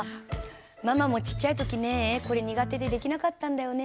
ママもちっちゃい時ねえこれ苦手でできなかったんだよね。